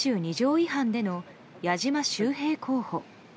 違反での矢島秀平候補。